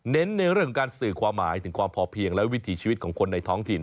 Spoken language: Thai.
ในเรื่องของการสื่อความหมายถึงความพอเพียงและวิถีชีวิตของคนในท้องถิ่น